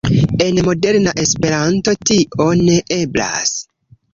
En moderna Esperanto tio ne eblas.